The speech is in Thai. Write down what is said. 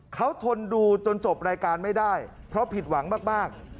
เขาทนดูจนจบรายการไม่ได้เพราะผิดหวังมาก